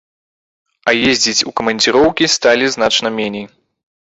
А ездзіць у камандзіроўкі сталі значна меней!